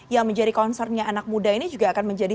yang menjadi concernnya anak muda ini juga akan menjadi